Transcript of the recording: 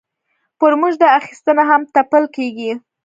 پر موږ دا اخیستنه هم تپل کېږي.